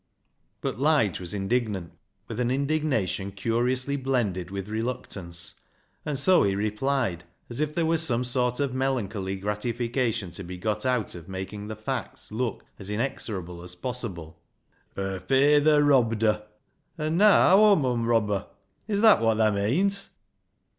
" But Lige was indignant with an indignation curiously blended with reluctance, and so he replied, as if there was some sort of melancholy gratification to be got out of making the facts look as inexorable as possible — 17^ BECKSIDE LIGHTS " Her fayther robbed her, an' naa Aw miin rob her — is that what thaa meeans